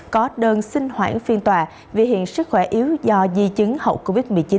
có đơn xin hoãn phiên tòa vì hiện sức khỏe yếu do di chứng hậu covid một mươi chín